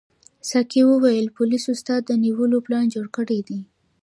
ساقي وویل پولیسو ستا د نیولو پلان جوړ کړی دی.